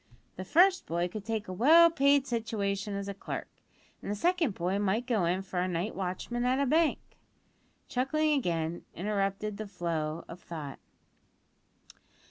The first boy could take a well paid situation as a clerk, an the second boy might go in for night watchman at a bank." (Chuckling again interrupted the flow of thought.)